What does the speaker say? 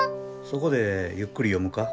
そこでゆっくり読むか？